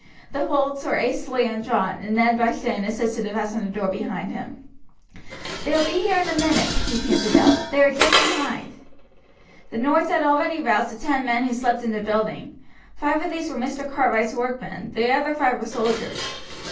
The bolts were hastily undrawn, and Ned rushed in and assisted to fasten the door behind him. "They will be here in a minute," he panted out. "They are just behind." The noise had already roused the ten men who slept in the building; five of these were Mr. Cartwright's workmen, the other five were soldiers.